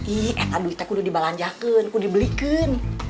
iya duitnya sudah dibalanciakan sudah dibelikan